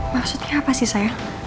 maksudnya apa sih sayang